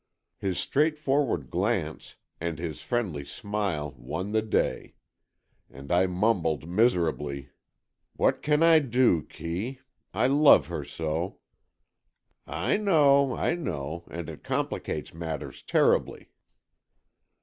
His straightforward glance and his friendly smile won the day, and I mumbled miserably, "What can I do, Kee? I love her so." "I know, I know, and it complicates matters terribly."